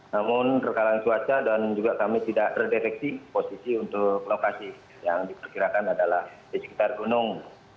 namun kekalahan cuaca dan juga kami tidak terdeteksi posisi untuk lokasi yang diperkirakan adalah di sekitar gunung